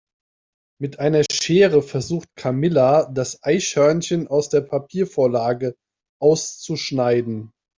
Mit einer Schere versucht Camilla das Eichhörnchen aus der Papiervorlage auszuschneiden.